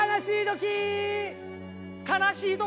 悲しい時。